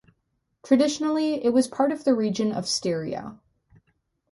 Traditionally it was part of the region of Styria.